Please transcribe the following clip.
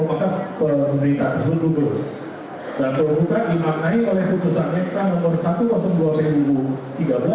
dan perubahan dimaknai oleh keputusan intrag nomor satu ratus dua pn ibu tiga belas dua ribu lima belas